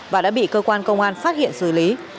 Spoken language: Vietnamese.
và đã bị cơ quan công an phát hiện xử lý